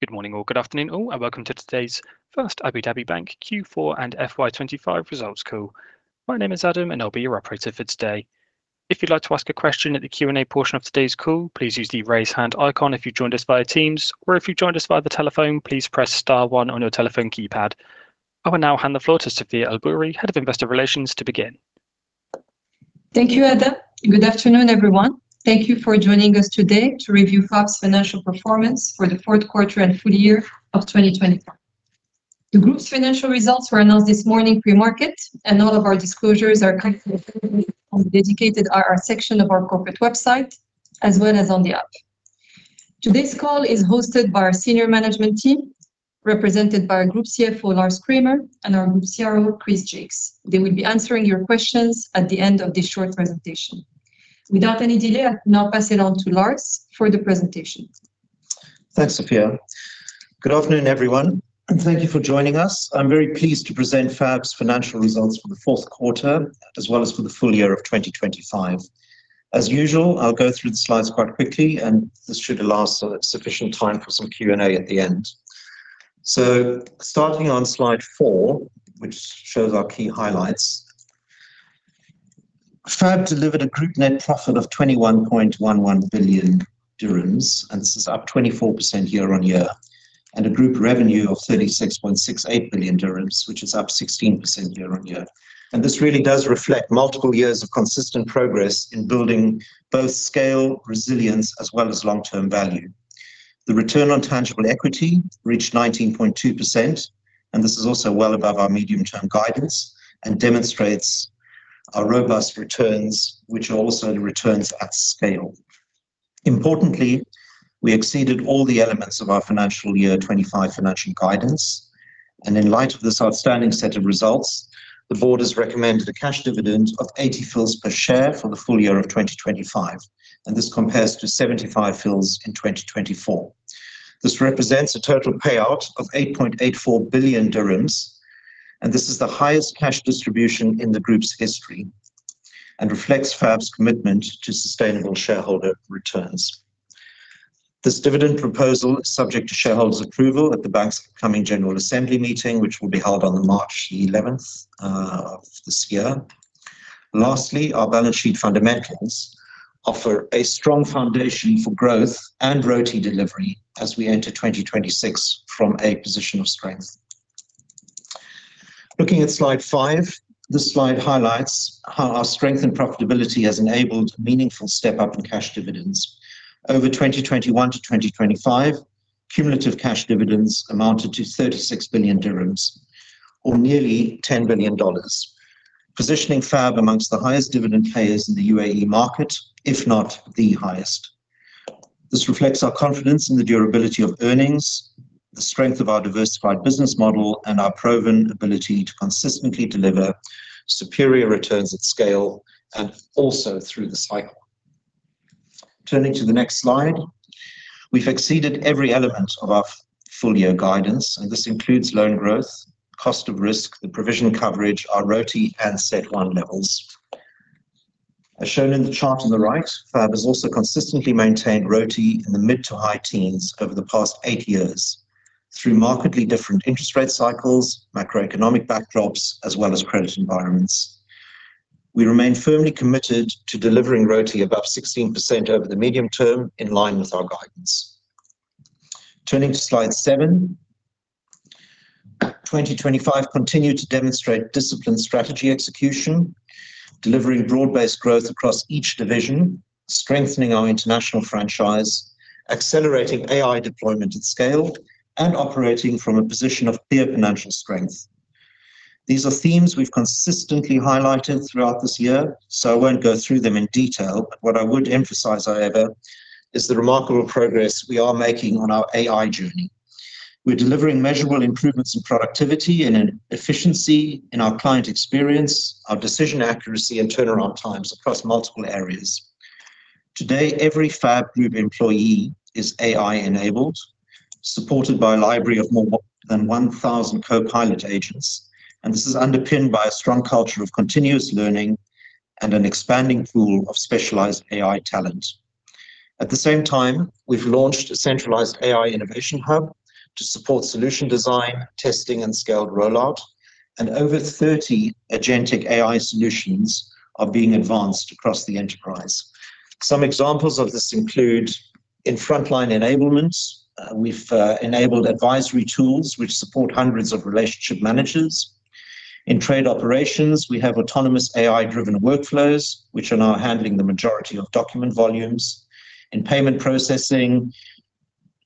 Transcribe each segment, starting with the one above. Good morning, all. Good afternoon, all, and welcome to today's First Abu Dhabi Bank Q4 and FY 2025 results call. My name is Adam, and I'll be your operator for today. If you'd like to ask a question at the Q&A portion of today's call, please use the Raise Hand icon if you've joined us via Teams, or if you've joined us via the telephone, please press star one on your telephone keypad. I will now hand the floor to Sofia El Boury, Head of Investor Relations, to begin. Thank you, Adam. Good afternoon, everyone. Thank you for joining us today to review FAB's financial performance for the fourth quarter and full year of 2025. The group's financial results were announced this morning pre-market, and all of our disclosures are currently on the dedicated IR section of our corporate website, as well as on the app. Today's call is hosted by our senior management team, represented by our Group CFO, Lars Kramer, and our Group CRO, Chris Jaques. They will be answering your questions at the end of this short presentation. Without any delay, I'll now pass it on to Lars for the presentation. Thanks, Sofia. Good afternoon, everyone, and thank you for joining us. I'm very pleased to present FAB's financial results for the fourth quarter, as well as for the full year of 2025. As usual, I'll go through the slides quite quickly, and this should allow sufficient time for some Q&A at the end. So starting on slide 4, which shows our key highlights, FAB delivered a group net profit of 21.11 billion dirhams, and this is up 24% year-on-year, and a group revenue of 36.68 billion dirhams, which is up 16% year-on-year. This really does reflect multiple years of consistent progress in building both scale, resilience, as well as long-term value. The return on tangible equity reached 19.2%, and this is also well above our medium-term guidance and demonstrates our robust returns, which are also returns at scale. Importantly, we exceeded all the elements of our financial year 2025 financial guidance, and in light of this outstanding set of results, the board has recommended a cash dividend of 80 fils per share for the full year of 2025, and this compares to 75 fils in 2024. This represents a total payout of 8.84 billion dirhams, and this is the highest cash distribution in the group's history and reflects FAB's commitment to sustainable shareholder returns. This dividend proposal is subject to shareholders' approval at the Bank's coming General Assembly meeting, which will be held on March 11 of this year. Lastly, our balance sheet fundamentals offer a strong foundation for growth and RoTE delivery as we enter 2026 from a position of strength. Looking at slide 5, this slide highlights how our strength and profitability has enabled a meaningful step-up in cash dividends. Over 2021 to 2025, cumulative cash dividends amounted to 36 billion dirhams, or nearly $10 billion, positioning FAB among the highest dividend payers in the UAE market, if not the highest. This reflects our confidence in the durability of earnings, the strength of our diversified business model, and our proven ability to consistently deliver superior returns at scale and also through the cycle. Turning to the next slide, we've exceeded every element of our full-year guidance, and this includes loan growth, cost of risk, the provision coverage, our RoTE, and CET1 levels. As shown in the chart on the right, FAB has also consistently maintained RoTE in the mid to high teens over the past 8 years through markedly different interest rate cycles, macroeconomic backdrops, as well as credit environments. We remain firmly committed to delivering RoTE above 16% over the medium term, in line with our guidance. Turning to slide 7, 2025 continued to demonstrate disciplined strategy execution, delivering broad-based growth across each division, strengthening our international franchise, accelerating AI deployment at scale, and operating from a position of clear financial strength. These are themes we've consistently highlighted throughout this year, so I won't go through them in detail. But what I would emphasize, however, is the remarkable progress we are making on our AI journey. We're delivering measurable improvements in productivity and in efficiency, in our client experience, our decision accuracy, and turnaround times across multiple areas. Today, every FAB group employee is AI-enabled, supported by a library of more than 1,000 Copilot agents, and this is underpinned by a strong culture of continuous learning and an expanding pool of specialized AI talent. At the same time, we've launched a centralized AI innovation hub to support solution design, testing, and scaled rollout, and over 30 agentic AI solutions are being advanced across the enterprise. Some examples of this include in frontline enablements, we've enabled advisory tools which support hundreds of relationship managers. In trade operations, we have autonomous AI-driven workflows, which are now handling the majority of document volumes. In payment processing,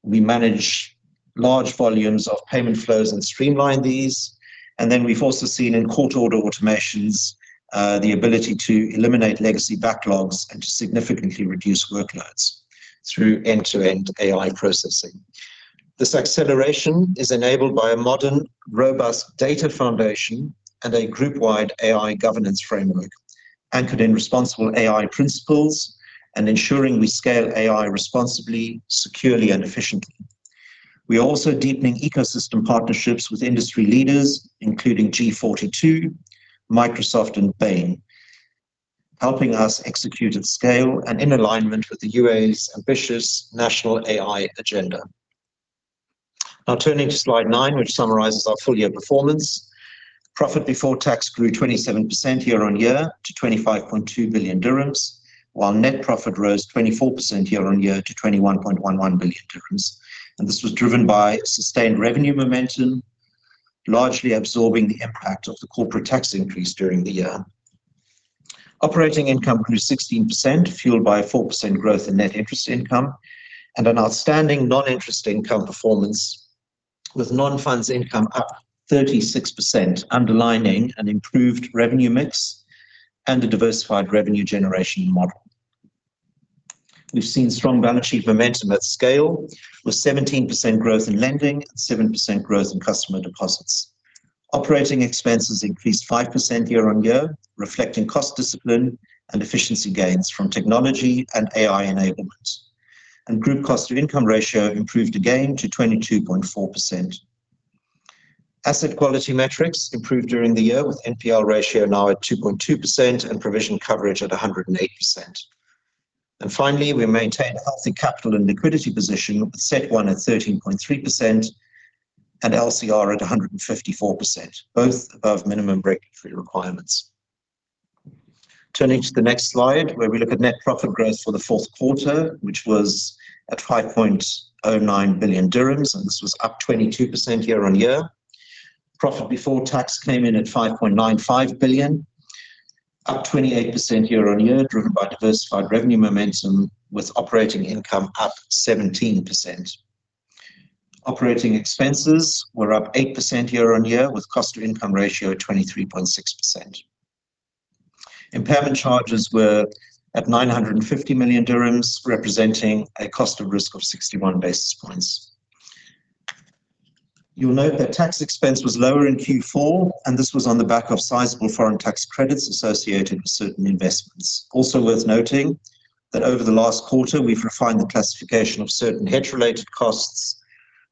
we manage large volumes of payment flows and streamline these. And then we've also seen in court order automations, the ability to eliminate legacy backlogs and to significantly reduce workloads through end-to-end AI processing. This acceleration is enabled by a modern, robust data foundation and a group-wide AI governance framework, anchored in responsible AI principles and ensuring we scale AI responsibly, securely, and efficiently. We are also deepening ecosystem partnerships with industry leaders, including G42, Microsoft, and Bain... helping us execute at scale and in alignment with the UAE's ambitious national AI agenda. Now turning to slide 9, which summarizes our full year performance. Profit before tax grew 27% year-on-year to 25.2 billion dirhams, while net profit rose 24% year-on-year to 21.11 billion dirhams, and this was driven by sustained revenue momentum, largely absorbing the impact of the corporate tax increase during the year. Operating income grew 16%, fueled by a 4% growth in net interest income and an outstanding non-interest income performance, with non-funds income up 36%, underlining an improved revenue mix and a diversified revenue generation model. We've seen strong balance sheet momentum at scale, with 17% growth in lending and 7% growth in customer deposits. Operating expenses increased 5% year-on-year, reflecting cost discipline and efficiency gains from technology and AI enablement. And group cost-to-income ratio improved again to 22.4%. Asset quality metrics improved during the year, with NPL ratio now at 2.2% and provision coverage at 108%. And finally, we maintained a healthy capital and liquidity position, with CET1 at 13.3% and LCR at 154%, both above minimum regulatory requirements. Turning to the next slide, where we look at net profit growth for the fourth quarter, which was at 5.09 billion dirhams, and this was up 22% year-on-year. Profit before tax came in at 5.95 billion, up 28% year-on-year, driven by diversified revenue momentum, with operating income up 17%. Operating expenses were up 8% year-on-year, with cost-to-income ratio at 23.6%. Impairment charges were at 950 million dirhams, representing a cost of risk of 61 basis points. You'll note that tax expense was lower in Q4, and this was on the back of sizable foreign tax credits associated with certain investments. Also worth noting, that over the last quarter, we've refined the classification of certain hedge-related costs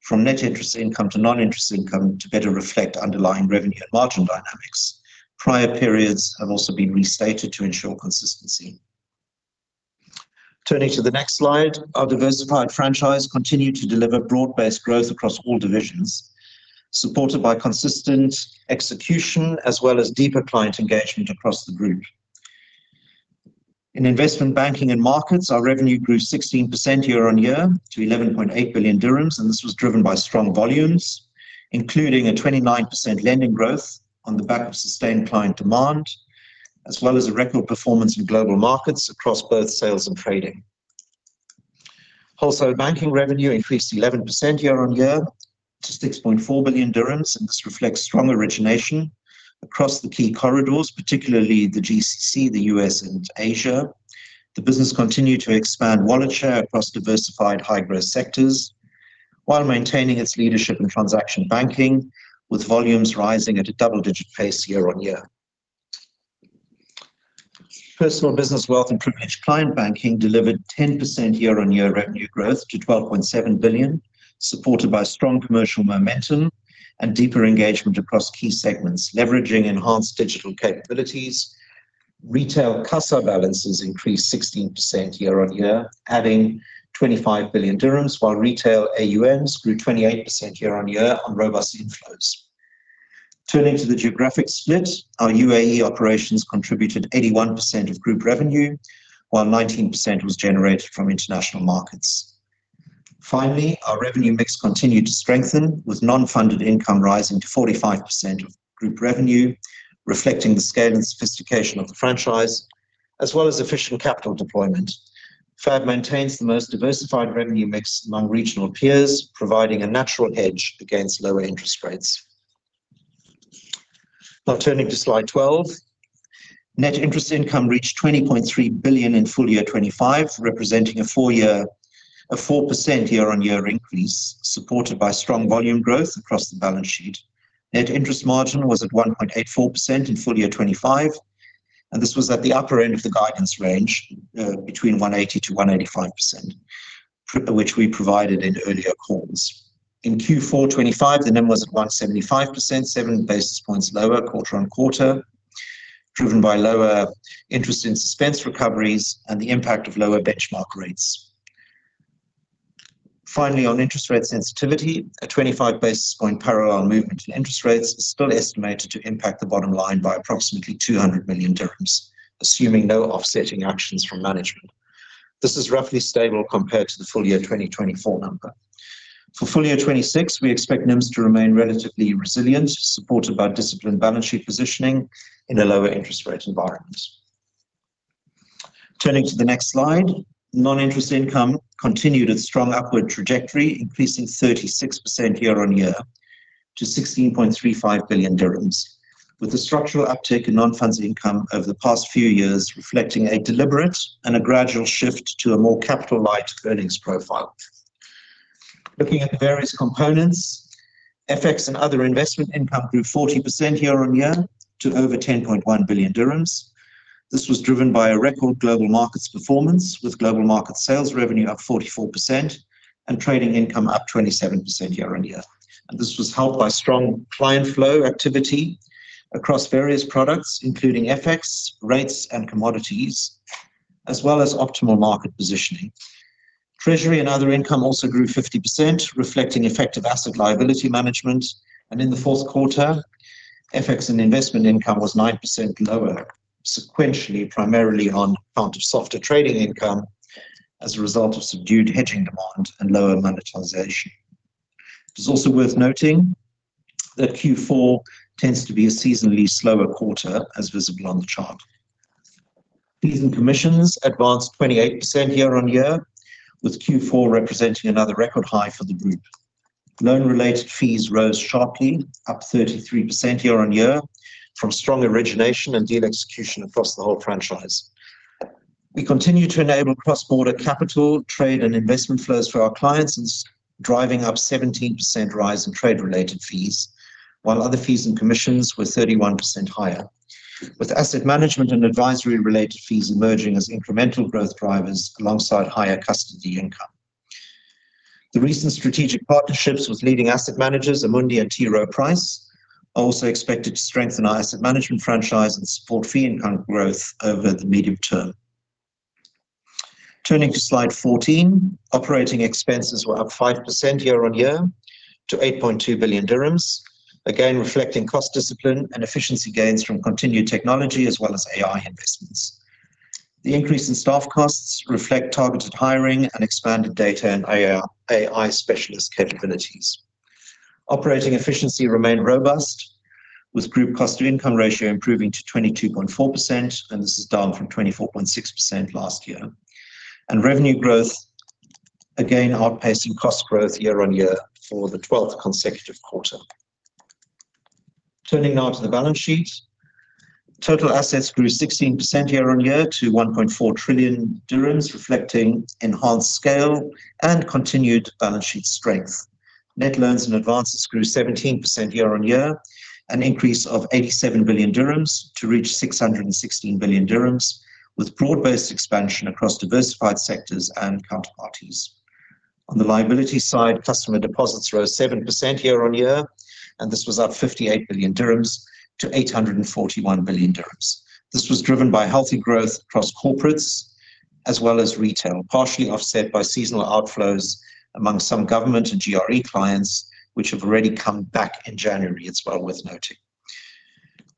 from net interest income to non-interest income to better reflect underlying revenue and margin dynamics. Prior periods have also been restated to ensure consistency. Turning to the next slide, our diversified franchise continued to deliver broad-based growth across all divisions, supported by consistent execution, as well as deeper client engagement across the group. In Investment Banking and Markets, our revenue grew 16% year-on-year to 11.8 billion dirhams, and this was driven by strong volumes, including a 29% lending growth on the back of sustained client demand, as well as a record performance in Global Markets across both sales and trading. Wholesale Banking revenue increased 11% year-on-year to 6.4 billion dirhams, and this reflects strong origination across the key corridors, particularly the GCC, the U.S., and Asia. The business continued to expand wallet share across diversified high-growth sectors while maintaining its leadership in transaction banking, with volumes rising at a double-digit pace year-on-year. Personal Business, Wealth, and Privileged Client Banking delivered 10% year-on-year revenue growth to 12.7 billion, supported by strong commercial momentum and deeper engagement across key segments, leveraging enhanced digital capabilities. Retail CASA balances increased 16% year-on-year, adding 25 billion dirhams, while retail AUMs grew 28% year-on-year on robust inflows. Turning to the geographic split, our UAE operations contributed 81% of group revenue, while 19% was generated from international markets. Finally, our revenue mix continued to strengthen, with non-funded income rising to 45% of group revenue, reflecting the scale and sophistication of the franchise, as well as efficient capital deployment. FAB maintains the most diversified revenue mix among regional peers, providing a natural hedge against lower interest rates. Now, turning to slide 12. Net interest income reached 20.3 billion in full year 2025, representing a 4% year-on-year increase, supported by strong volume growth across the balance sheet. Net interest margin was at 1.84% in full year 2025, and this was at the upper end of the guidance range, between 1.80%-1.85%, which we provided in earlier calls. In Q4 2025, the NIM was at 1.75%, 7 basis points lower quarter-on-quarter, driven by lower interest in suspense recoveries and the impact of lower benchmark rates. Finally, on interest rate sensitivity, a 25 basis point parallel movement in interest rates is still estimated to impact the bottom line by approximately 200 million dirhams, assuming no offsetting actions from management. This is roughly stable compared to the full year 2024 number. For full year 2026, we expect NIMs to remain relatively resilient, supported by disciplined balance sheet positioning in a lower interest rate environment. Turning to the next slide, non-interest income continued its strong upward trajectory, increasing 36% year-on-year to 16.35 billion dirhams, with a structural uptick in non-funds income over the past few years, reflecting a deliberate and a gradual shift to a more capital-light earnings profile. Looking at the various components, FX and other investment income grew 40% year-on-year to over 10.1 billion dirhams. This was driven by a record Global Markets performance, with global market sales revenue up 44% and trading income up 27% year-on-year. This was helped by strong client flow activity across various products, including FX, rates, and commodities... as well as optimal market positioning. Treasury and other income also grew 50%, reflecting effective asset liability management, and in the fourth quarter, FX and investment income was 9% lower sequentially, primarily on account of softer trading income as a result of subdued hedging demand and lower monetization. It is also worth noting that Q4 tends to be a seasonally slower quarter, as visible on the chart. Fees and commissions advanced 28% year-on-year, with Q4 representing another record high for the group. Loan-related fees rose sharply, up 33% year-on-year, from strong origination and deal execution across the whole franchise. We continue to enable cross-border capital, trade, and investment flows for our clients, driving up 17% rise in trade-related fees, while other fees and commissions were 31% higher, with asset management and advisory-related fees emerging as incremental growth drivers alongside higher custody income. The recent strategic partnerships with leading asset managers, Amundi and T. Rowe Price, are also expected to strengthen our asset management franchise and support fee income growth over the medium term. Turning to slide 14, operating expenses were up 5% year-on-year to 8.2 billion dirhams, again, reflecting cost discipline and efficiency gains from continued technology as well as AI investments. The increase in staff costs reflect targeted hiring and expanded data and AI, AI specialist capabilities. Operating efficiency remained robust, with group cost-to-income ratio improving to 22.4%, and this is down from 24.6% last year. Revenue growth, again, outpacing cost growth year-on-year for the 12th consecutive quarter. Turning now to the balance sheet. Total assets grew 16% year-on-year to 1.4 trillion dirhams, reflecting enhanced scale and continued balance sheet strength. Net loans and advances grew 17% year-on-year, an increase of 87 billion dirhams to reach 616 billion dirhams, with broad-based expansion across diversified sectors and counterparties. On the liability side, customer deposits rose 7% year-on-year, and this was up 58 billion dirhams to 841 billion dirhams. This was driven by healthy growth across corporates as well as retail, partially offset by seasonal outflows among some government and GRE clients, which have already come back in January, it's well worth noting.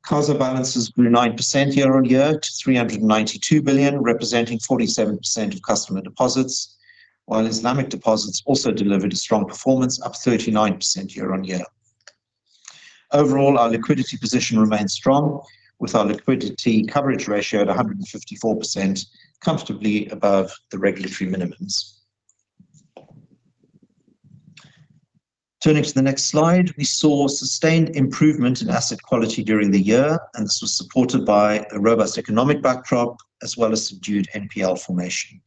CASA balances grew 9% year-on-year to 392 billion, representing 47% of customer deposits, while Islamic deposits also delivered a strong performance, up 39% year-on-year. Overall, our liquidity position remains strong, with our liquidity coverage ratio at 154%, comfortably above the regulatory minimums. Turning to the next slide, we saw sustained improvement in asset quality during the year, and this was supported by a robust economic backdrop, as well as subdued NPL formation.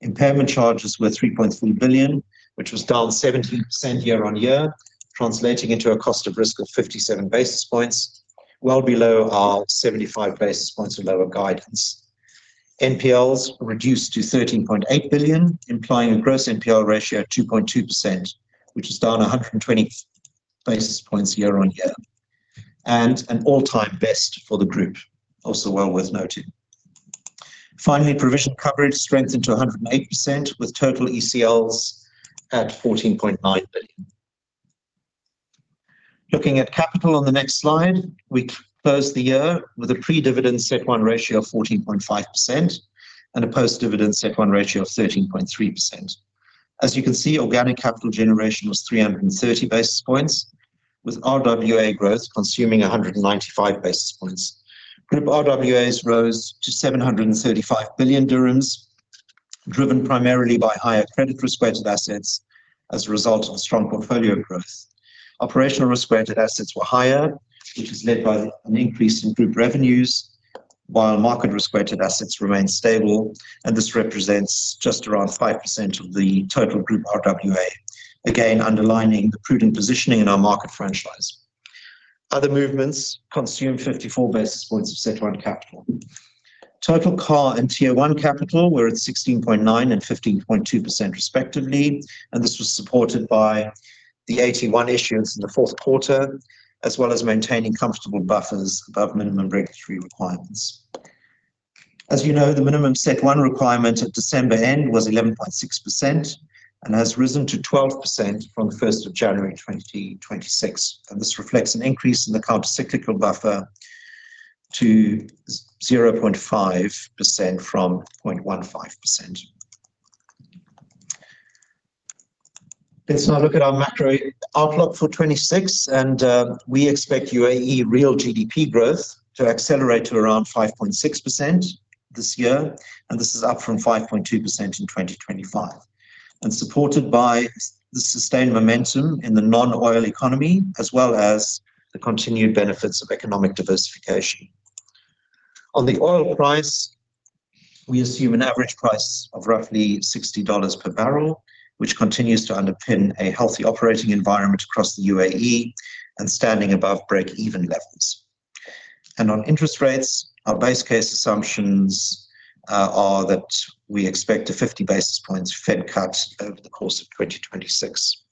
Impairment charges were 3.3 billion, which was down 17% year-on-year, translating into a cost of risk of 57 basis points, well below our 75 basis points or lower guidance. NPLs reduced to 13.8 billion, implying a gross NPL ratio of 2.2%, which is down 120 basis points year-on-year, and an all-time best for the group, also well worth noting. Finally, provision coverage strengthened to 108%, with total ECLs at 14.9 billion. Looking at capital on the next slide, we closed the year with a pre-dividend CET1 ratio of 14.5% and a post-dividend CET1 ratio of 13.3%. As you can see, organic capital generation was 330 basis points, with RWA growth consuming 195 basis points. Group RWAs rose to 735 billion dirhams, driven primarily by higher credit-related assets as a result of strong portfolio growth. Operational risk-weighted assets were higher, which is led by an increase in group revenues, while market risk-weighted assets remained stable, and this represents just around 5% of the total group RWA, again, underlining the prudent positioning in our market franchise. Other movements consumed 54 basis points of CET1 capital. Total CAR and Tier 1 capital were at 16.9% and 15.2% respectively, and this was supported by the AT1 issuance in the fourth quarter, as well as maintaining comfortable buffers above minimum regulatory requirements. As you know, the minimum CET1 requirement at December end was 11.6% and has risen to 12% from the first of January 2026, and this reflects an increase in the countercyclical buffer to 0.5% from 0.15%. Let's now look at our macro outlook for 2026, and we expect UAE real GDP growth to accelerate to around 5.6% this year, and this is up from 5.2% in 2025, and supported by the sustained momentum in the non-oil economy, as well as the continued benefits of economic diversification. On the oil price, we assume an average price of roughly $60 per barrel, which continues to underpin a healthy operating environment across the UAE and standing above break-even levels. On interest rates, our base case assumptions are that we expect a 50 basis points Fed cut over the course of 2026.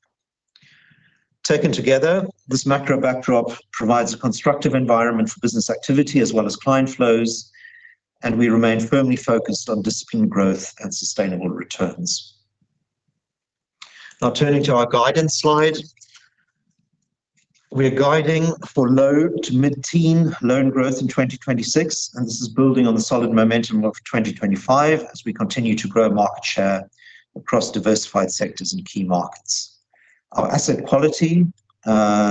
Taken together, this macro backdrop provides a constructive environment for business activity as well as client flows, and we remain firmly focused on disciplined growth and sustainable returns. Now, turning to our guidance slide. We are guiding for low- to mid-teen loan growth in 2026, and this is building on the solid momentum of 2025 as we continue to grow market share across diversified sectors and key markets. Our asset quality,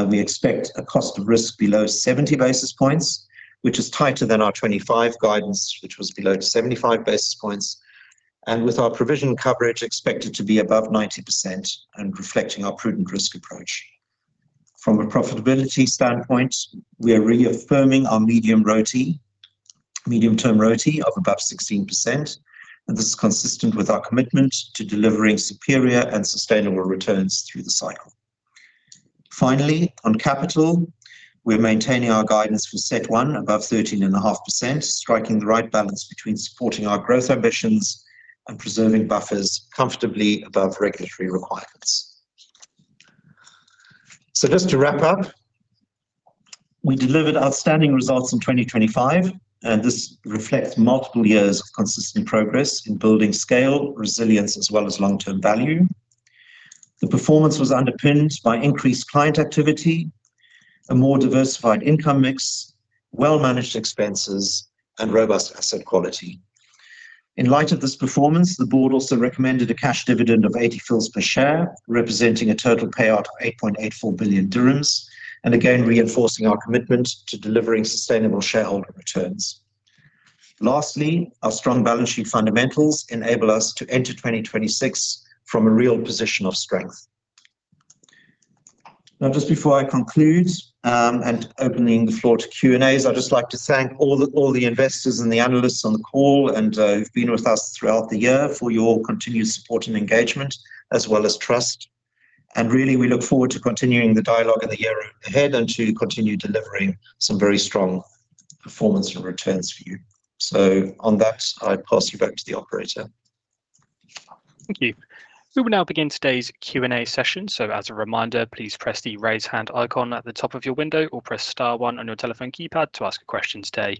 we expect a cost of risk below 70 basis points, which is tighter than our 2025 guidance, which was below 75 basis points, and with our provision coverage expected to be above 90% and reflecting our prudent risk approach. From a profitability standpoint, we are reaffirming our medium-term RoTE of above 16%, and this is consistent with our commitment to delivering superior and sustainable returns through the cycle. Finally, on capital, we're maintaining our guidance for CET1 above 13.5%, striking the right balance between supporting our growth ambitions and preserving buffers comfortably above regulatory requirements. So just to wrap up, we delivered outstanding results in 2025, and this reflects multiple years of consistent progress in building scale, resilience, as well as long-term value. The performance was underpinned by increased client activity, a more diversified income mix, well-managed expenses, and robust asset quality. In light of this performance, the board also recommended a cash dividend of 80 fils per share, representing a total payout of 8.84 billion dirhams, and again, reinforcing our commitment to delivering sustainable shareholder returns. Lastly, our strong balance sheet fundamentals enable us to enter 2026 from a real position of strength. Now, just before I conclude, and opening the floor to Q&As, I'd just like to thank all the, all the investors and the analysts on the call, and, who've been with us throughout the year, for your continued support and engagement, as well as trust. And really, we look forward to continuing the dialogue in the year ahead and to continue delivering some very strong performance and returns for you. So on that, I pass you back to the operator. Thank you. We will now begin today's Q&A session. So as a reminder, please press the raise hand icon at the top of your window or press star one on your telephone keypad to ask a question today.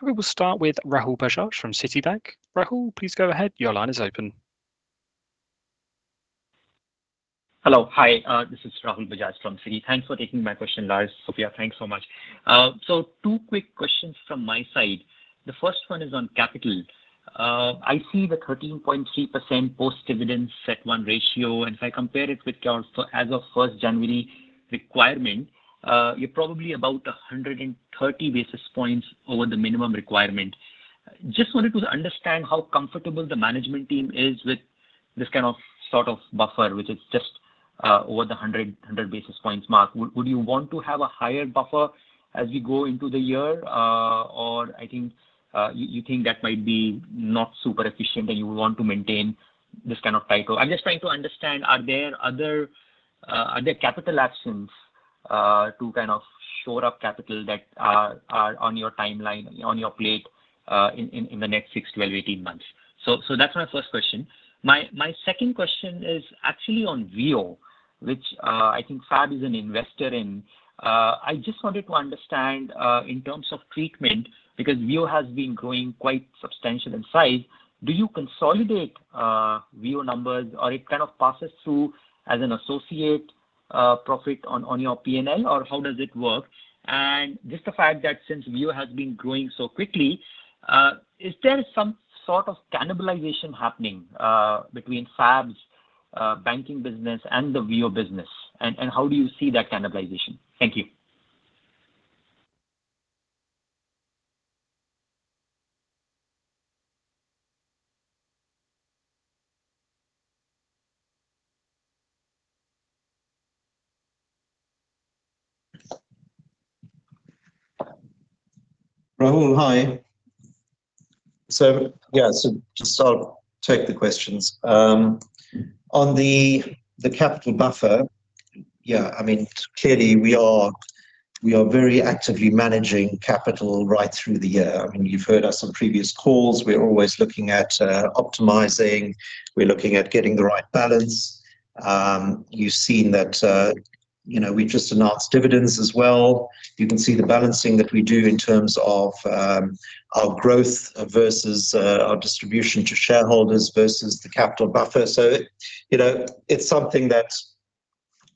We will start with Rahul Bajaj from Citibank. Rahul, please go ahead. Your line is open. Hello. Hi, this is Rahul Bajaj from Citi. Thanks for taking my question, Lars. Sofia, thanks so much. So two quick questions from my side. The first one is on capital. I see the 13.3% post-dividend CET1 ratio, and if I compare it with your as of first January requirement, you're probably about 130 basis points over the minimum requirement. Just wanted to understand how comfortable the management team is with this kind of sort of buffer, which is just over the 100 basis points mark. Would you want to have a higher buffer as we go into the year? Or I think you think that might be not super efficient, and you want to maintain this kind of tight. I'm just trying to understand, are there other, other capital actions, to kind of shore up capital that are, are on your timeline, on your plate, in the next 6 months-18 months? So that's my first question. My second question is actually on Wio, which, I think FAB is an investor in. I just wanted to understand, in terms of treatment, because Wio has been growing quite substantial in size, do you consolidate, Wio numbers, or it kind of passes through as an associate, profit on, on your P&L, or how does it work? And just the fact that since Wio has been growing so quickly, is there some sort of cannibalization happening, between FAB's, banking business and the Wio business? And how do you see that cannibalization? Thank you. Rahul, hi. So, yeah, so just I'll take the questions. On the capital buffer, yeah, I mean, clearly, we are very actively managing capital right through the year. I mean, you've heard us on previous calls. We're always looking at optimizing, we're looking at getting the right balance. You've seen that, you know, we've just announced dividends as well. You can see the balancing that we do in terms of our growth versus our distribution to shareholders versus the capital buffer. So, you know, it's something that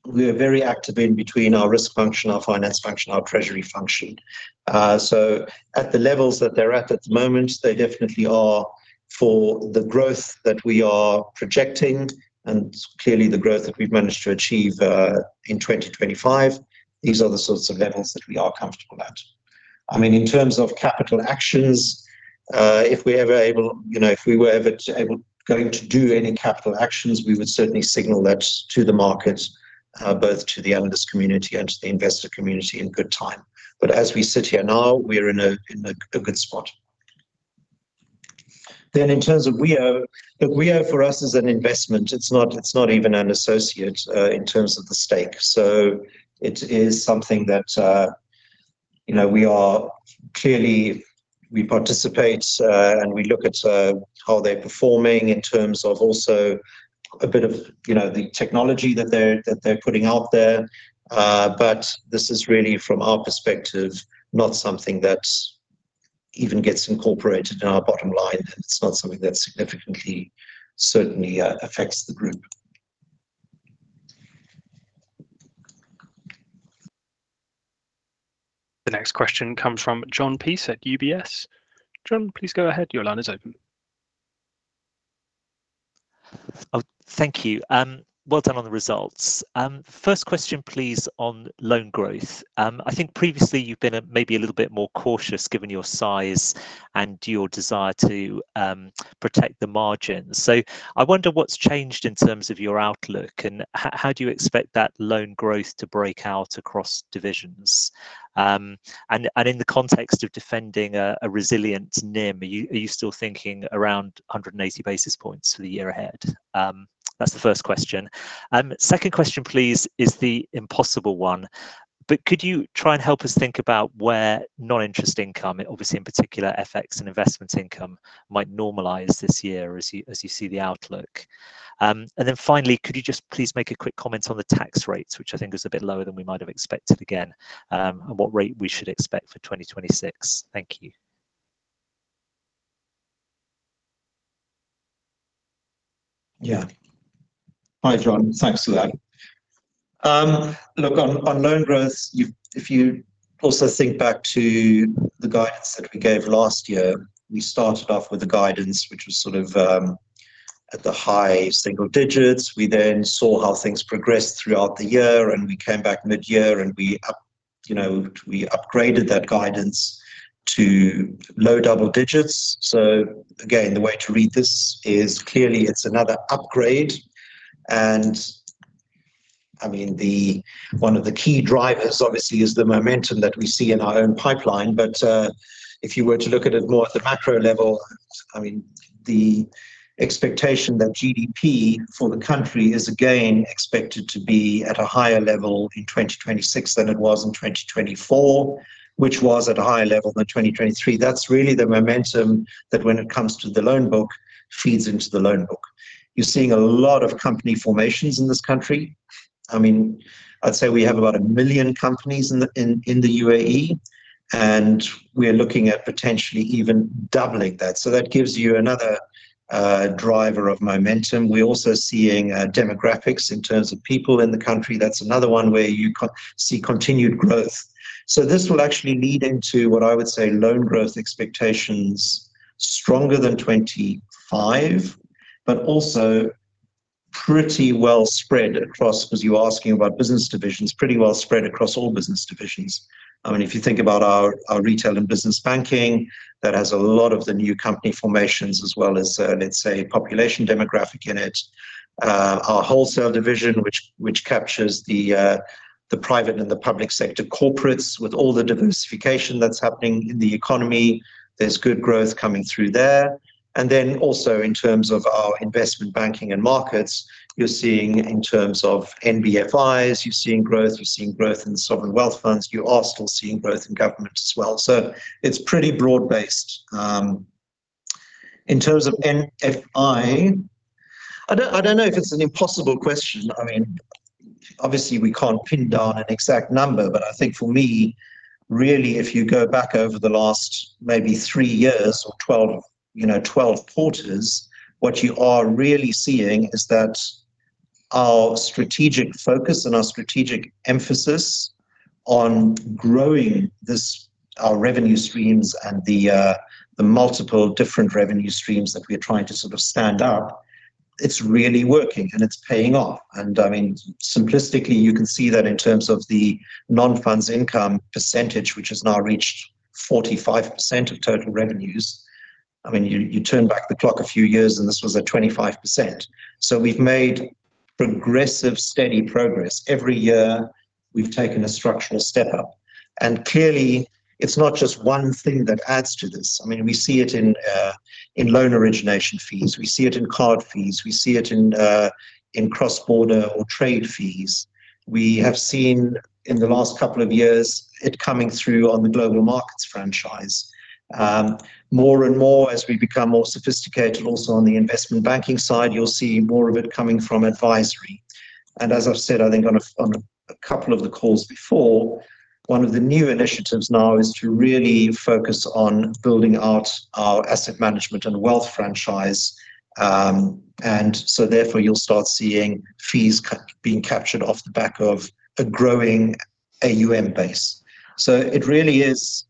we are very active in between our risk function, our finance function, our treasury function. So at the levels that they're at, at the moment, they definitely are for the growth that we are projecting and clearly the growth that we've managed to achieve in 2025. These are the sorts of levels that we are comfortable at. I mean, in terms of capital actions, if we're ever able, you know, if we were ever going to do any capital actions, we would certainly signal that to the market, both to the analyst community and to the investor community in good time. But as we sit here now, we're in a good spot. Then in terms of Wio, look, Wio for us is an investment. It's not even an associate, in terms of the stake. So it is something that, you know, we are clearly, we participate, and we look at, how they're performing in terms of also a bit of, you know, the technology that they're putting out there. But this is really, from our perspective, not something that even gets incorporated in our bottom line. It's not something that significantly, certainly, affects the group. The next question comes from Jon Peace at UBS. Jon, please go ahead. Your line is open. Oh, thank you, well done on the results. First question, please, on loan growth. I think previously you've been a maybe a little bit more cautious, given your size and your desire to protect the margins. So I wonder what's changed in terms of your outlook, and how do you expect that loan growth to break out across divisions? And in the context of defending a resilient NIM, are you still thinking around 180 basis points for the year ahead? That's the first question. Second question, please, is the impossible one, but could you try and help us think about where non-interest income, obviously, in particular, FX and investment income, might normalize this year as you see the outlook? And then finally, could you just please make a quick comment on the tax rates, which I think is a bit lower than we might have expected, again, and what rate we should expect for 2026. Thank you. Yeah. Hi, Jon. Thanks for that. Look, on loan growth, if you also think back to the guidance that we gave last year, we started off with a guidance which was sort of at the high single digits. We then saw how things progressed throughout the year, and we came back mid-year, and you know, we upgraded that guidance to low double digits. So again, the way to read this is clearly it's another upgrade. And, I mean, one of the key drivers, obviously, is the momentum that we see in our own pipeline. But if you were to look at it more at the macro level, I mean, the expectation that GDP for the country is again expected to be at a higher level in 2026 than it was in 2024, which was at a higher level than 2023. That's really the momentum that when it comes to the loan book, feeds into the loan book. You're seeing a lot of company formations in this country. I mean, I'd say we have about 1 million companies in the, in, in the UAE, and we are looking at potentially even doubling that. So that gives you another driver of momentum. We're also seeing demographics in terms of people in the country. That's another one where you see continued growth. So this will actually lead into what I would say, loan growth expectations, stronger than 25, but also pretty well spread across, as you're asking about business divisions, pretty well spread across all business divisions. I mean, if you think about our, our Retail and Business Banking, that has a lot of the new company formations as well as, let's say, population demographic in it. Our Wholesale division, which captures the, the private and the public sector corporates, with all the diversification that's happening in the economy, there's good growth coming through there. And then also in terms of our Investment Banking and Markets, you're seeing in terms of NBFIs, you're seeing growth, you're seeing growth in sovereign wealth funds, you are still seeing growth in government as well. So it's pretty broad-based. In terms of NFI, I don't know if it's an impossible question. I mean, obviously, we can't pin down an exact number, but I think for me, really, if you go back over the last maybe 3 years or twelve, you know, 12 quarters, what you are really seeing is that our strategic focus and our strategic emphasis on growing this, our revenue streams and the, the multiple different revenue streams that we are trying to sort of stand up, it's really working and it's paying off. And I mean, simplistically, you can see that in terms of the non-funds income percentage, which has now reached 45% of total revenues. I mean, you, you turn back the clock a few years, and this was at 25%. So we've made progressive, steady progress. Every year, we've taken a structural step up, and clearly, it's not just one thing that adds to this. I mean, we see it in loan origination fees, we see it in card fees, we see it in cross-border or trade fees. We have seen in the last couple of years it coming through on the Global Markets franchise. More and more, as we become more sophisticated also on the investment banking side, you'll see more of it coming from advisory. And as I've said, I think on a couple of the calls before, one of the new initiatives now is to really focus on building out our asset management and wealth franchise. And so therefore, you'll start seeing fees being captured off the back of a growing AUM base. So it really is,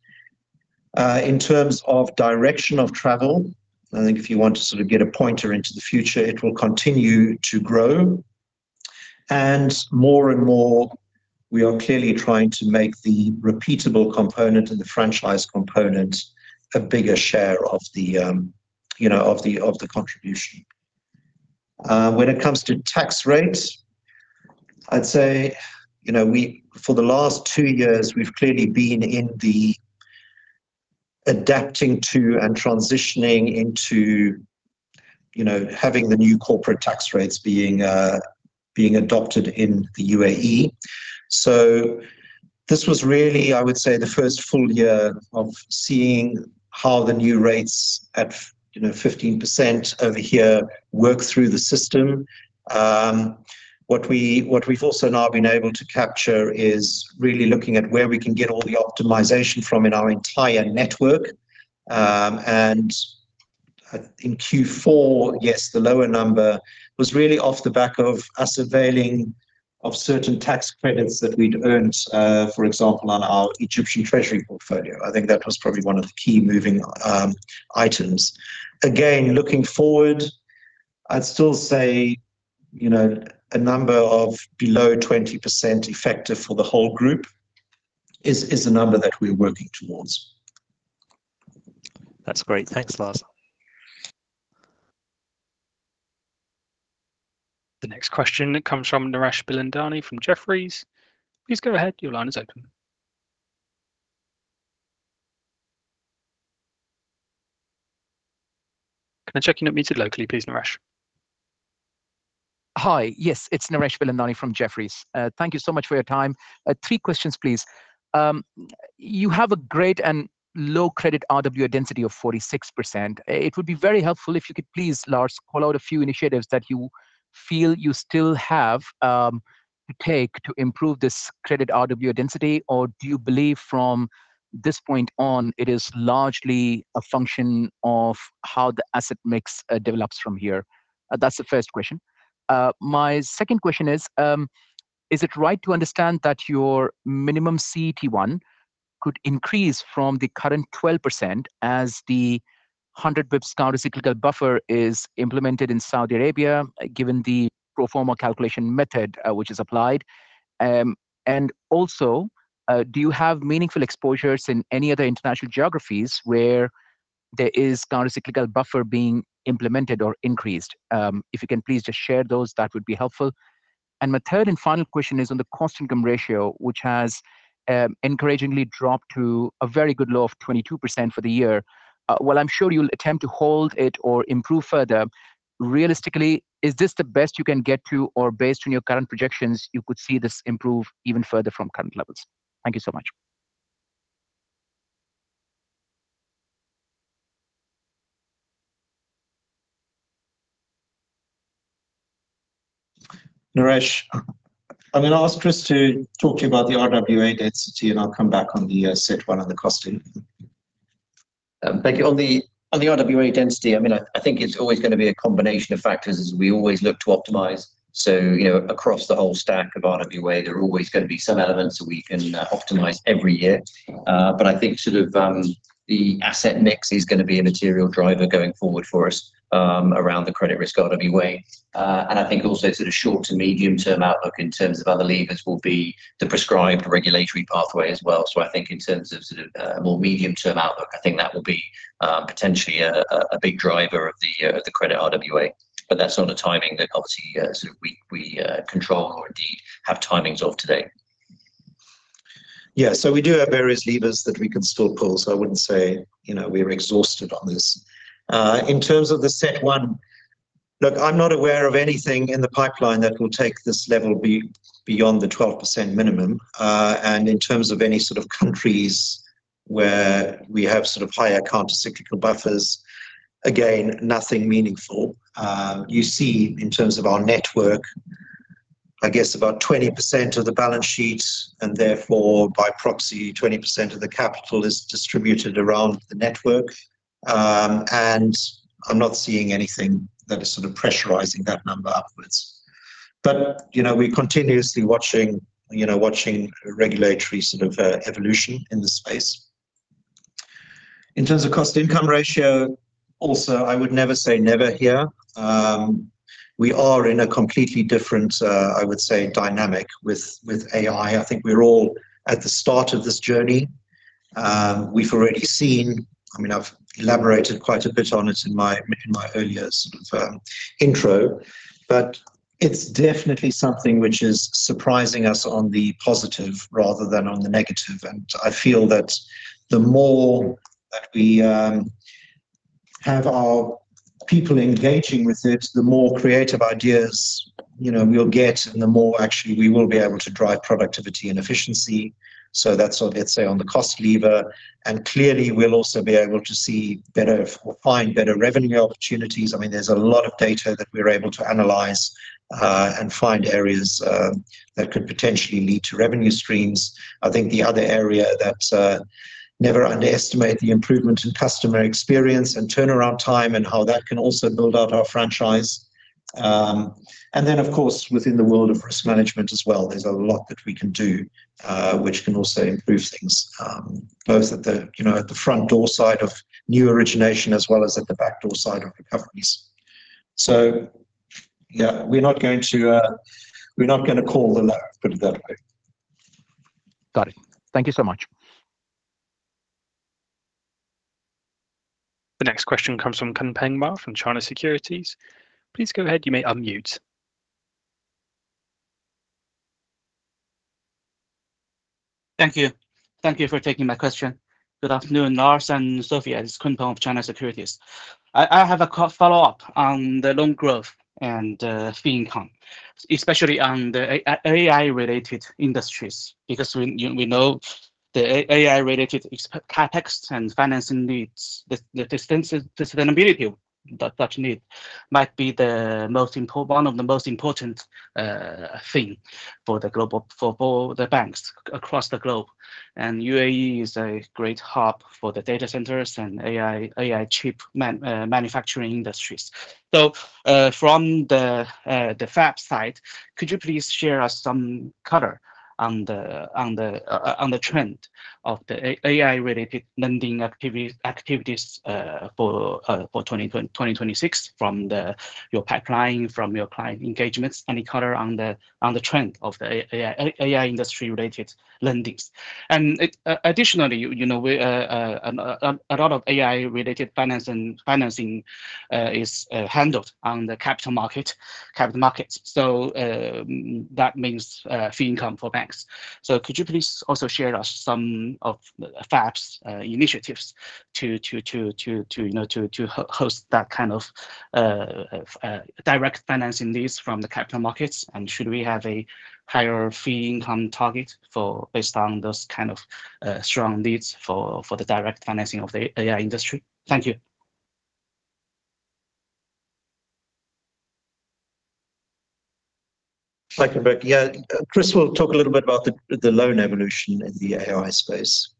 in terms of direction of travel, I think if you want to sort of get a pointer into the future, it will continue to grow. And more and more, we are clearly trying to make the repeatable component and the franchise component a bigger share of the, you know, of the, of the contribution. When it comes to tax rates, I'd say, you know, we for the last two years, we've clearly been adapting to and transitioning into, you know, having the new corporate tax rates being, being adopted in the UAE. So this was really, I would say, the first full year of seeing how the new rates at fifteen percent over here work through the system. What we, what we've also now been able to capture is really looking at where we can get all the optimization from in our entire network. In Q4, yes, the lower number was really off the back of us availing of certain tax credits that we'd earned, for example, on our Egyptian treasury portfolio. I think that was probably one of the key moving items. Again, looking forward, I'd still say, you know, a number of below 20% effective for the whole group is a number that we're working towards. That's great. Thanks, Lars. The next question comes from Naresh Bilandani from Jefferies. Please go ahead. Your line is open. Can I check you're not muted locally, please, Naresh? Hi. Yes, it's Naresh Bilandani from Jefferies. Thank you so much for your time. Three questions, please. You have a great and low credit RWA density of 46%. It would be very helpful if you could please, Lars, call out a few initiatives that you feel you still have to take to improve this credit RWA density, or do you believe from this point on, it is largely a function of how the asset mix develops from here? That's the first question. My second question is: is it right to understand that your minimum CET1 could increase from the current 12% as the 100 basis points countercyclical buffer is implemented in Saudi Arabia, given the pro forma calculation method, which is applied? And also, do you have meaningful exposures in any other international geographies where there is countercyclical buffer being implemented or increased? If you can please just share those, that would be helpful. And my third and final question is on the cost-income ratio, which has, encouragingly dropped to a very good low of 22% for the year. While I'm sure you'll attempt to hold it or improve further, realistically, is this the best you can get to, or based on your current projections, you could see this improve even further from current levels? Thank you so much. Naresh, I'm going to ask Chris to talk to you about the RWA density, and I'll come back on the CET1 and the costing. Thank you. On the RWA density, I mean, I think it's always going to be a combination of factors as we always look to optimize. So, you know, across the whole stack of RWA, there are always going to be some elements that we can optimize every year. But I think sort of, the asset mix is gonna be a material driver going forward for us, around the credit risk RWA. And I think also sort of short to medium-term outlook in terms of other levers will be the prescribed regulatory pathway as well. So I think in terms of sort of a more medium-term outlook, I think that will be potentially a big driver of the credit RWA, but that's not a timing that obviously sort of we control or indeed have timings of today. Yeah. So we do have various levers that we can still pull, so I wouldn't say, you know, we're exhausted on this. In terms of the CET1, look, I'm not aware of anything in the pipeline that will take this level beyond the 12% minimum. And in terms of any sort of countries where we have sort of higher countercyclical buffers, again, nothing meaningful. You see, in terms of our network, I guess about 20% of the balance sheet, and therefore, by proxy, 20% of the capital is distributed around the network. And I'm not seeing anything that is sort of pressurizing that number upwards. But, you know, we're continuously watching, you know, watching regulatory sort of evolution in the space. In terms of cost income ratio, also, I would never say never here. We are in a completely different, I would say, dynamic with AI. I think we're all at the start of this journey. We've already seen— I mean, I've elaborated quite a bit on it in my, in my earlier sort of, intro, but it's definitely something which is surprising us on the positive rather than on the negative. And I feel that the more that we have our people engaging with it, the more creative ideas, you know, we'll get, and the more actually we will be able to drive productivity and efficiency. So that's sort of, let's say, on the cost lever, and clearly, we'll also be able to see better or find better revenue opportunities. I mean, there's a lot of data that we're able to analyze, and find areas that could potentially lead to revenue streams. I think the other area that never underestimate the improvement in customer experience and turnaround time and how that can also build out our franchise. And then, of course, within the world of risk management as well, there's a lot that we can do, which can also improve things, both at the, you know, at the front door side of new origination, as well as at the back door side of recoveries. So yeah, we're not going to, we're not gonna call the low, put it that way. Got it. Thank you so much. The next question comes from Kunpeng Ma from China Securities. Please go ahead. You may unmute.... Thank you. Thank you for taking my question. Good afternoon, Lars and Sofia. It's Kunpeng Ma of China Securities International. I have a quick follow-up on the loan growth and fee income, especially on the AI-related industries, because we know the AI-related capex and financing needs, the distance sustainability of that such need might be one of the most important thing for all the banks across the globe. And UAE is a great hub for the data centers and AI chip manufacturing industries. So, from the FAB side, could you please share us some color on the trend of the AI-related lending activities for 2026 from your pipeline, from your client engagements? Any color on the trend of the AI industry related lendings? And additionally, you know, a lot of AI related financing is handled on the capital markets. So, that means, fee income for banks. So could you please also share us some of FAB's initiatives to, you know, to host that kind of direct financing needs from the capital markets? And should we have a higher fee income target for based on those kind of strong needs for the direct financing of the AI industry? Thank you. Thank you. Yeah, Chris will talk a little bit about the loan evolution in the AI space.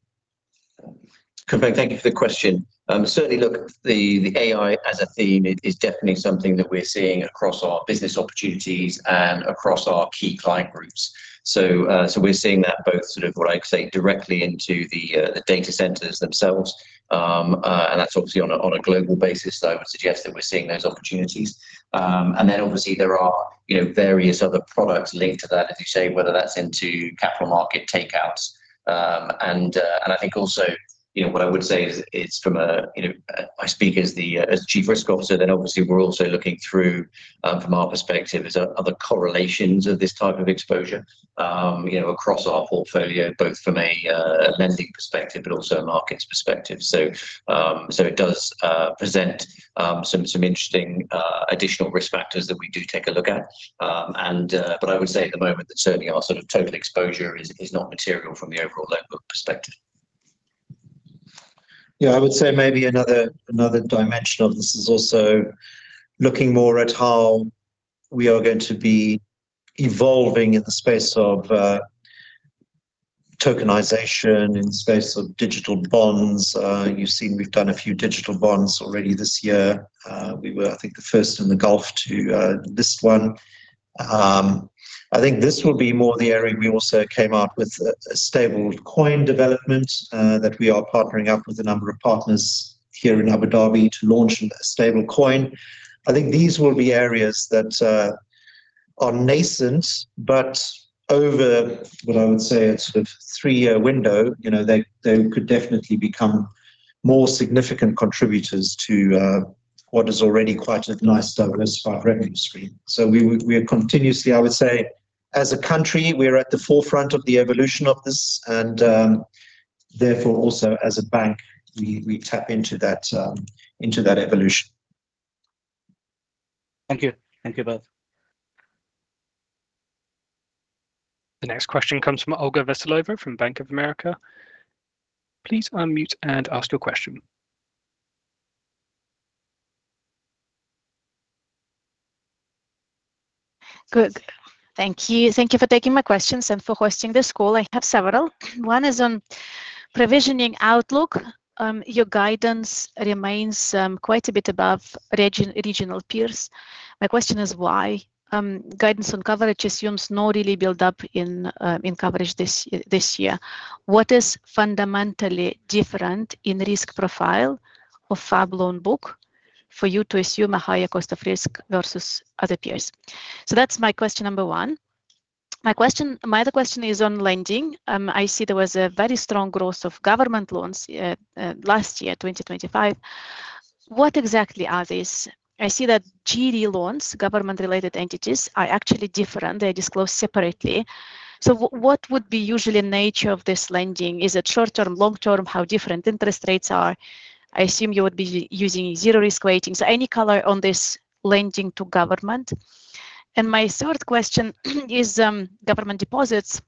Kunpeng Ma, thank you for the question. Certainly, look, the AI as a theme is definitely something that we're seeing across our business opportunities and across our key client groups. So, so we're seeing that both sort of what I'd say directly into the data centers themselves. And that's obviously on a global basis, so I would suggest that we're seeing those opportunities. And then obviously there are, you know, various other products linked to that, as you say, whether that's into capital market takeouts. And I think also, you know, what I would say is, it's from a, you know, I speak as the Chief Risk Officer, then obviously we're also looking through from our perspective as, are there correlations of this type of exposure, you know, across our portfolio, both from a lending perspective, but also a markets perspective. So it does present some interesting additional risk factors that we do take a look at. But I would say at the moment that certainly our sort of total exposure is not material from the overall loan book perspective. Yeah, I would say maybe another, another dimension of this is also looking more at how we are going to be evolving in the space of, tokenization, in the space of digital bonds. You've seen we've done a few digital bonds already this year. We were, I think, the first in the Gulf to, this one. I think this will be more the area. We also came out with a, a stablecoin development, that we are partnering up with a number of partners here in Abu Dhabi to launch a stablecoin. I think these will be areas that, are nascent, but over what I would say, a sort of three-year window, you know, they, they could definitely become more significant contributors to, what is already quite a nice diverse revenue stream. So we, we are continuously... I would say as a country, we're at the forefront of the evolution of this, and therefore, also as a bank, we tap into that, into that evolution. Thank you. Thank you both. The next question comes from Olga Veselova from Bank of America. Please unmute and ask your question. Good. Thank you. Thank you for taking my questions and for hosting this call. I have several. One is on provisioning outlook. Your guidance remains quite a bit above regional peers. My question is, why? Guidance on coverage assumes no real build up in coverage this year. What is fundamentally different in risk profile of FAB loan book for you to assume a higher cost of risk versus other peers? So that's my question number one. My other question is on lending. I see there was a very strong growth of government loans last year, 2025. What exactly are these? I see that GRE loans, Government-Related Entities, are actually different. They disclose separately. So what would be the usual nature of this lending? Is it short-term, long-term? How different are interest rates? I assume you would be using zero risk weighting. So any color on this lending to government. And my third question is government deposits.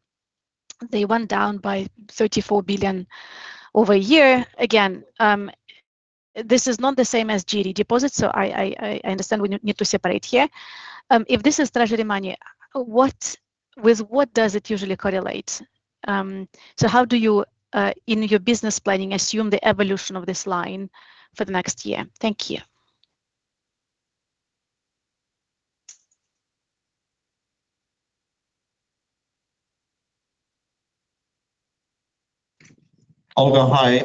They went down by 34 billion over a year. Again, this is not the same as GRE deposits, so I understand we need to separate here. If this is treasury money, with what does it usually correlate? So how do you in your business planning assume the evolution of this line for the next year? Thank you. Olga, hi.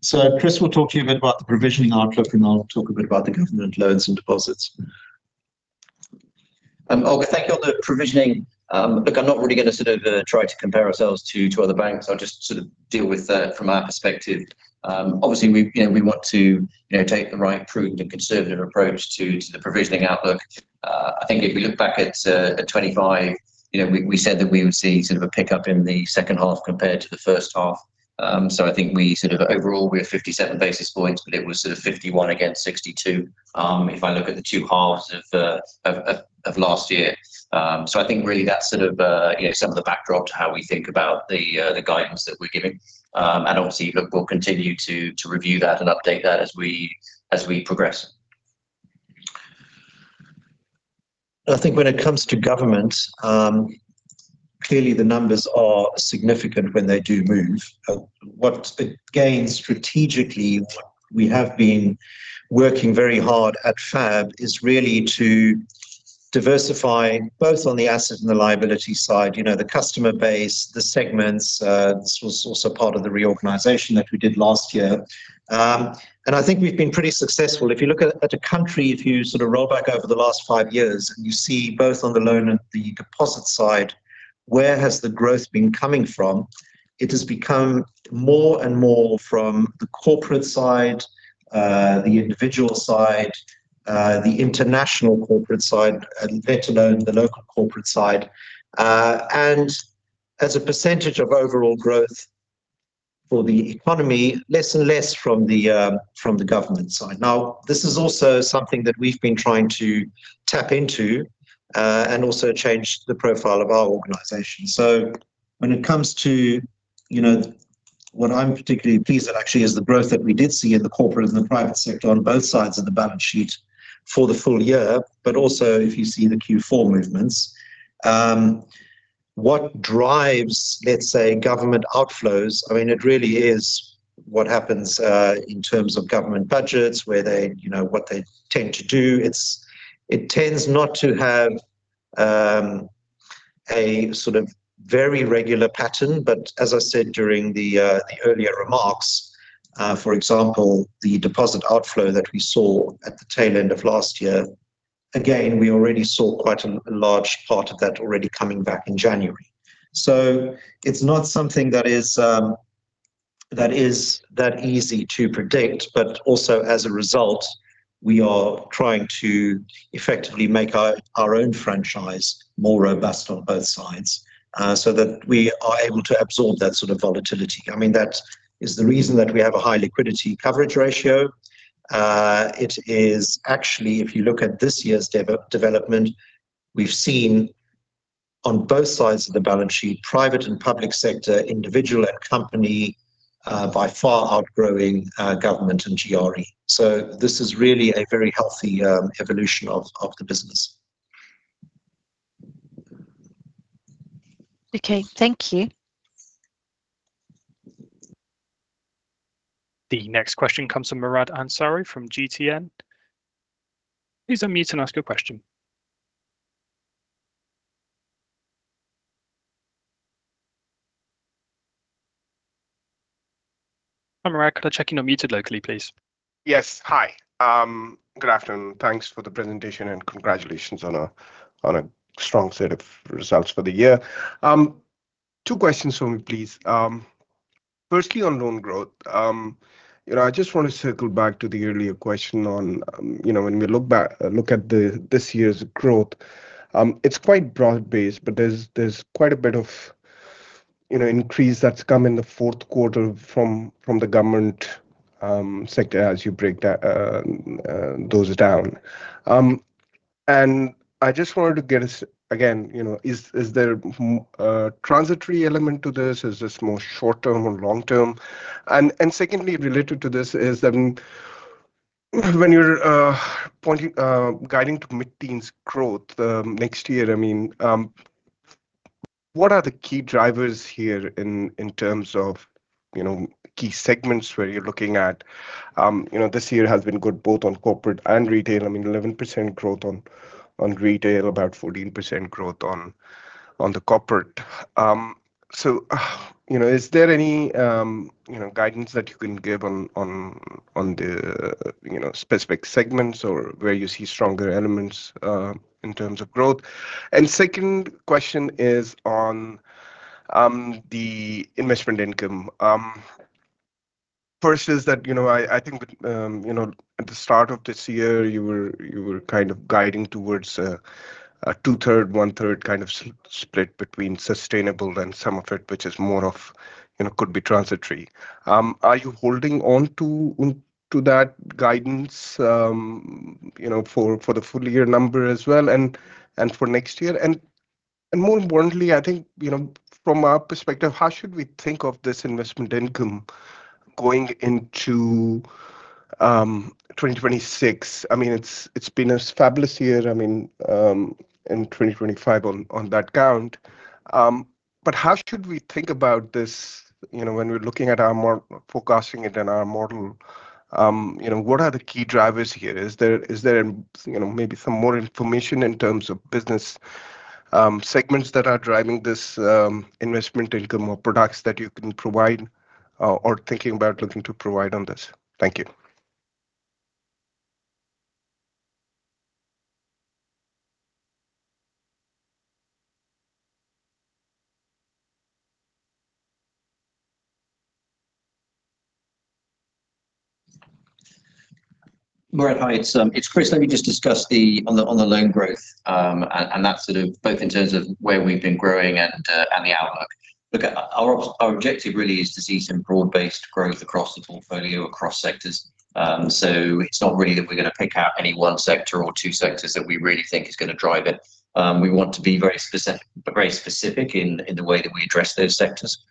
So Chris will talk to you a bit about the provisioning outlook, and I'll talk a bit about the government loans and deposits. Olga, thank you. On the provisioning, look, I'm not really going to sort of try to compare ourselves to other banks. I'll just sort of deal with that from our perspective. Obviously, we, you know, we want to, you know, take the right prudent and conservative approach to the provisioning outlook. I think if we look back at 2025, you know, we said that we would see sort of a pickup in the second half compared to the first half. So I think we sort of overall, we are 57 basis points, but it was sort of 51 against 62, if I look at the two halves of the last year. So I think really that's sort of, you know, some of the backdrop to how we think about the guidance that we're giving. And obviously, look, we'll continue to review that and update that as we progress. I think when it comes to government, clearly the numbers are significant when they do move. What again, strategically, we have been working very hard at FAB, is really to diversify, both on the asset and the liability side, you know, the customer base, the segments. This was also part of the reorganization that we did last year. I think we've been pretty successful. If you look at a country, if you sort of roll back over the last five years, and you see both on the loan and the deposit side, where has the growth been coming from? It has become more and more from the corporate side, the individual side, the international corporate side, and better known, the local corporate side. And as a percentage of overall growth for the economy, less and less from the, from the government side. Now, this is also something that we've been trying to tap into, and also change the profile of our organization. So when it comes to, you know... What I'm particularly pleased with, actually, is the growth that we did see in the corporate and the private sector on both sides of the balance sheet for the full year, but also if you see the Q4 movements. What drives, let's say, government outflows, I mean, it really is what happens, in terms of government budgets, where they, you know, what they tend to do. It tends not to have a sort of very regular pattern, but as I said during the earlier remarks, for example, the deposit outflow that we saw at the tail end of last year, again, we already saw quite a large part of that already coming back in January. So it's not something that is that easy to predict, but also, as a result, we are trying to effectively make our own franchise more robust on both sides, so that we are able to absorb that sort of volatility. I mean, that is the reason that we have a high liquidity coverage ratio. It is actually, if you look at this year's development, we've seen on both sides of the balance sheet, private and public sector, individual and company, by far outgrowing government and GRE. This is really a very healthy evolution of the business. Okay, thank you. The next question comes from Murad Ansari from GTN. Please unmute and ask your question. Hi, Murad, could I check you're not muted locally, please? Yes. Hi, good afternoon. Thanks for the presentation, and congratulations on a strong set of results for the year. Two questions for me, please. Firstly, on loan growth. You know, I just want to circle back to the earlier question on, you know, when we look back, look at the this year's growth, it's quite broad-based, but there's quite a bit of, you know, increase that's come in the fourth quarter from the government sector as you break those down. And I just wanted to get a... Again, you know, is there a transitory element to this? Is this more short term or long term? And secondly, related to this is, when you're pointing, guiding to mid-teens growth, next year, I mean, what are the key drivers here in terms of, you know, key segments where you're looking at? You know, this year has been good, both on corporate and retail. I mean, 11% growth on retail, about 14% growth on the corporate. So, you know, is there any, you know, guidance that you can give on the specific segments or where you see stronger elements in terms of growth? And second question is on the investment income. First is that, you know, I think, you know, at the start of this year, you were kind of guiding towards a two-thirds, one-third kind of split between sustainable and some of it, which is more of, you know, could be transitory. Are you holding on to that guidance, you know, for the full year number as well, and for next year? And more importantly, I think, you know, from our perspective, how should we think of this investment income going into 2026? I mean, it's been a fabulous year, I mean, in 2025 on that count. But how should we think about this, you know, when we're looking at our model forecasting it in our model? You know, what are the key drivers here? Is there, is there, you know, maybe some more information in terms of business segments that are driving this investment income or products that you can provide or thinking about looking to provide on this? Thank you. ... Murad, hi, it's Chris. Let me just discuss the loan growth, and that's sort of both in terms of where we've been growing and the outlook. Look, our objective really is to see some broad-based growth across the portfolio, across sectors. So it's not really that we're gonna pick out any one sector or two sectors that we really think is gonna drive it. We want to be very specific, very specific in the way that we address those sectors,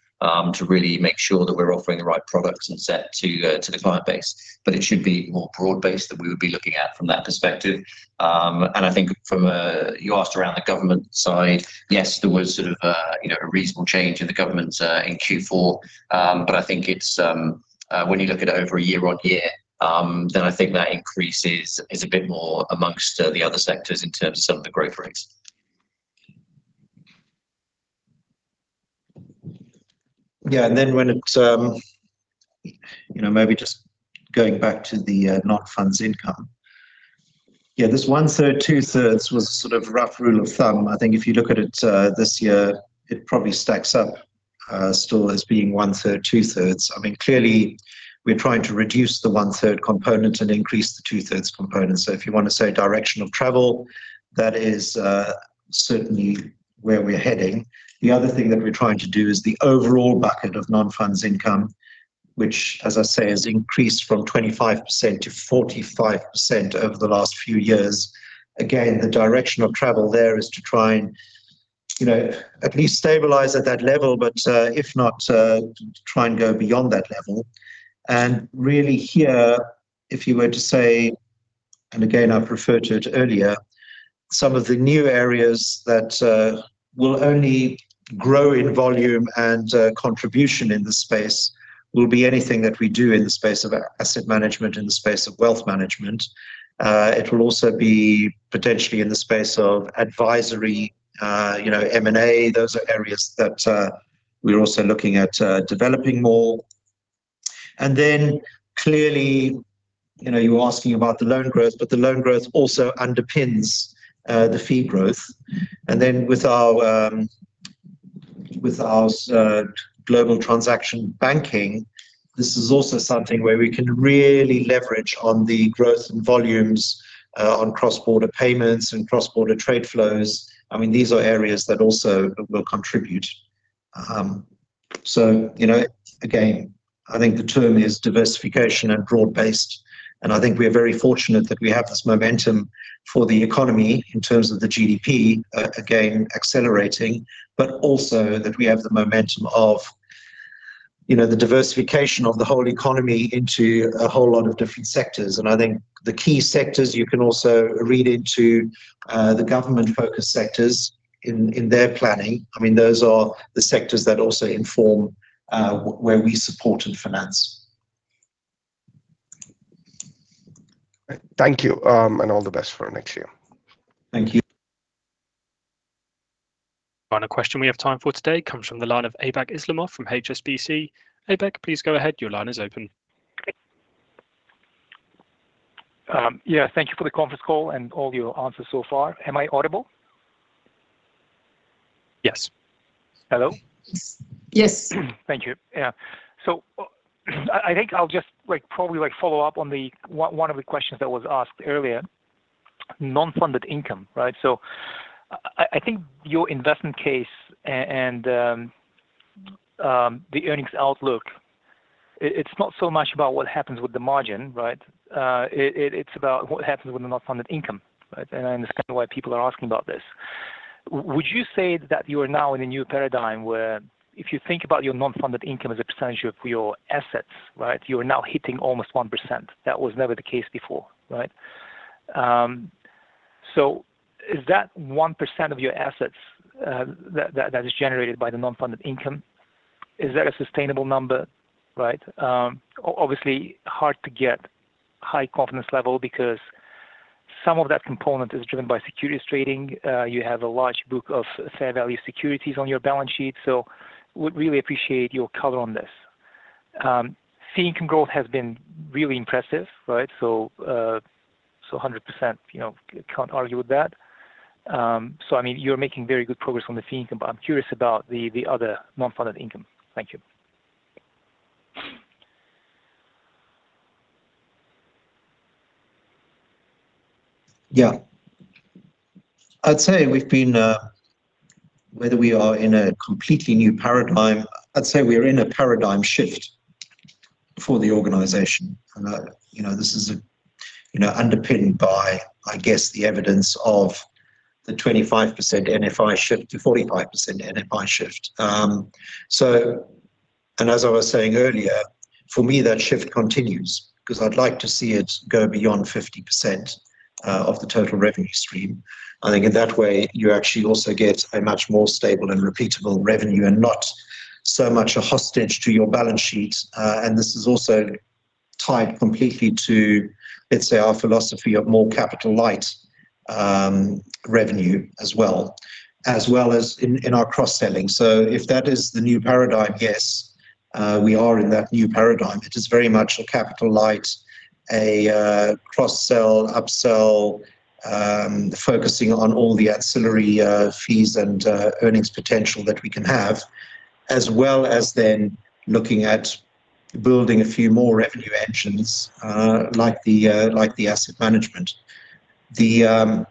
to really make sure that we're offering the right products and services to the client base. But it should be more broad-based that we would be looking at from that perspective. And I think from a... You asked around the government side, yes, there was sort of a, you know, a reasonable change in the government, in Q4. But I think it's, when you look at it over a year on year, then I think that increase is, is a bit more amongst, the other sectors in terms of some of the growth rates. Yeah, and then when it's, you know, maybe just going back to the, non-funds income. Yeah, this 1/3, 2/3 was a sort of rough rule of thumb. I think if you look at it, this year, it probably stacks up, still as being 1/3, 2/3. I mean, clearly, we're trying to reduce the 1/3 component and increase the 2/3 component. So if you want to say direction of travel, that is, certainly where we're heading. The other thing that we're trying to do is the overall bucket of non-funds income, which, as I say, has increased from 25% to 45% over the last few years. Again, the direction of travel there is to try and, you know, at least stabilize at that level, but, if not, to try and go beyond that level. And really here, if you were to say, and again, I referred to it earlier, some of the new areas that will only grow in volume and contribution in the space will be anything that we do in the space of asset management, in the space of wealth management. It will also be potentially in the space of advisory, you know, M&A. Those are areas that we're also looking at developing more. And then clearly, you know, you're asking about the loan growth, but the loan growth also underpins the fee growth. And then with our, with our Global Transaction Banking, this is also something where we can really leverage on the growth and volumes on cross-border payments and cross-border trade flows. I mean, these are areas that also will contribute. So, you know, again, I think the term is diversification and broad-based, and I think we are very fortunate that we have this momentum for the economy in terms of the GDP, again, accelerating, but also that we have the momentum of, you know, the diversification of the whole economy into a whole lot of different sectors. I think the key sectors, you can also read into the government-focused sectors in their planning. I mean, those are the sectors that also inform where we support and finance. Thank you, and all the best for next year. Thank you. Final question we have time for today comes from the line of Aybek Islamov from HSBC. Aybek, please go ahead. Your line is open. Yeah, thank you for the conference call and all your answers so far. Am I audible? Yes. Hello? Yes. Thank you. Yeah. So I think I'll just, like, probably, like, follow up on the one of the questions that was asked earlier. Non-funded income, right? So I think your investment case and the earnings outlook, it's not so much about what happens with the margin, right? It, it's about what happens with the non-funded income, right? And I understand why people are asking about this. Would you say that you are now in a new paradigm, where if you think about your non-funded income as a percentage of your assets, right? You are now hitting almost 1%. That was never the case before, right? So is that 1% of your assets that is generated by the non-funded income, is that a sustainable number, right? Obviously, hard to get high confidence level because some of that component is driven by securities trading. You have a large book of fair value securities on your balance sheet, so would really appreciate your color on this. Fee income growth has been really impressive, right? So, 100%, you know, can't argue with that. So I mean, you're making very good progress on the fee income, but I'm curious about the other non-funded income. Thank you. Yeah. I'd say we've been... Whether we are in a completely new paradigm, I'd say we are in a paradigm shift for the organization. And, you know, this is, you know, underpinned by, I guess, the evidence of the 25% NFI shift to 45% NFI shift. So, and as I was saying earlier, for me, that shift continues, because I'd like to see it go beyond 50%, of the total revenue stream. I think in that way, you actually also get a much more stable and repeatable revenue and not so much a hostage to your balance sheet. And this is also tied completely to, let's say, our philosophy of more capital-light, revenue as well, as well as in, in our cross-selling. So if that is the new paradigm, yes, we are in that new paradigm. It is very much a capital-light, cross-sell, upsell, focusing on all the ancillary fees and earnings potential that we can have, as well as then looking at building a few more revenue engines, like the asset management. I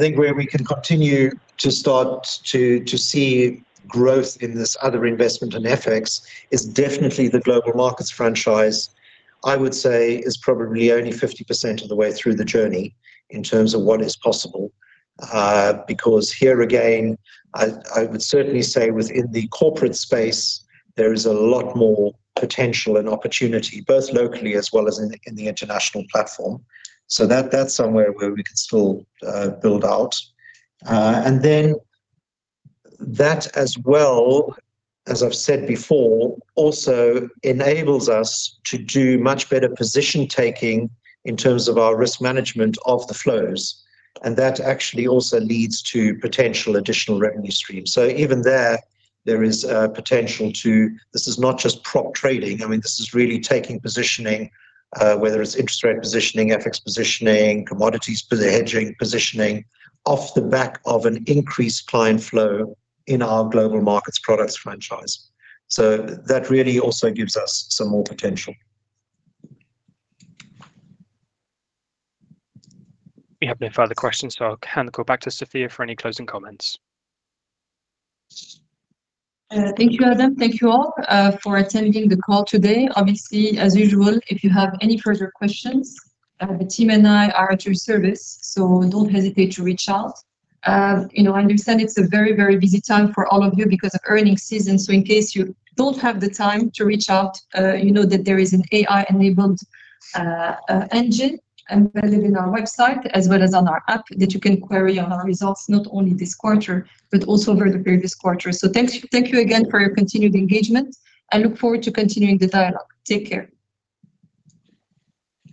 think where we can continue to start to see growth in this other investment in FX is definitely the Global Markets franchise. I would say is probably only 50% of the way through the journey in terms of what is possible, because here again, I would certainly say within the corporate space, there is a lot more potential and opportunity, both locally as well as in the international platform. So that's somewhere where we can still build out. And then that as well, as I've said before, also enables us to do much better position taking in terms of our risk management of the flows, and that actually also leads to potential additional revenue streams. So even there, there is potential to... This is not just prop trading. I mean, this is really taking positioning, whether it's interest rate positioning, FX positioning, commodities hedging positioning, off the back of an increased client flow in our Global Markets products franchise. So that really also gives us some more potential. We have no further questions, so I'll hand the call back to Sofia for any closing comments. Thank you, Adam. Thank you all for attending the call today. Obviously, as usual, if you have any further questions, the team and I are at your service, so don't hesitate to reach out. You know, I understand it's a very, very busy time for all of you because of earnings season, so in case you don't have the time to reach out, you know that there is an AI-enabled engine available on our website as well as on our app, that you can query on our results, not only this quarter, but also over the previous quarters. So thanks, thank you again for your continued engagement. I look forward to continuing the dialogue. Take care.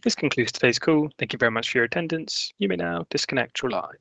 This concludes today's call. Thank you very much for your attendance. You may now disconnect your lines.